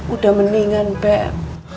udah mendingan beb